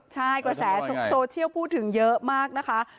ใช่กระแสโซเชียลพูดถึงเยอะมากนะคะ